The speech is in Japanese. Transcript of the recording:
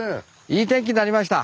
いい天気になりました。